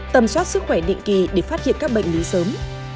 tầm soát sức khỏe định kỳ để phát hiện các bệnh lý sớm